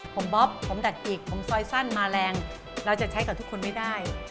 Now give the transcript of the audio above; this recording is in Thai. ผมบ๊อบผมดัดจิกผมซอยสั้นมาแรงเราจะใช้กับทุกคนไม่ได้